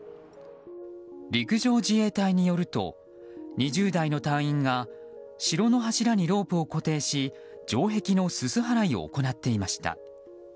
陸上自衛隊によると２０代の隊員が城の柱にロープを固定し城壁のすす払いを行っていました。